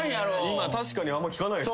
今確かにあんま聞かない。